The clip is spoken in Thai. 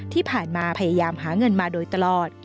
ที่ผ่านมาพยายามหาเงินมาโดยตลอด